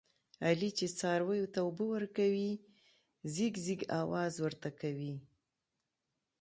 علي چې څارویو ته اوبه ورکوي، ځیږ ځیږ اواز ورته کوي.